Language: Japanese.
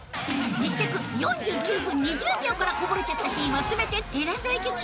実尺４９分２０秒からこぼれちゃったシーンは全てテラサ行きに